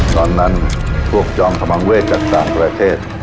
ตอนนั้นพวกจอมขมังเวศจากต่างประเทศ